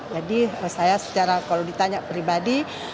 jadi saya secara kalau ditanya pribadi